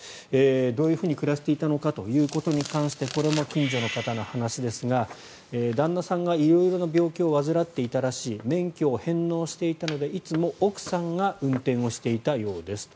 どういうふうに暮らしていたのかに関してこれも近所の方の話ですが旦那さんが色々な病気を患っていたらしい免許を返納していたのでいつも奥さんが運転していたようです。